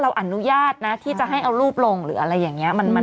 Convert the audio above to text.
อนุญาตนะที่จะให้เอารูปลงหรืออะไรอย่างนี้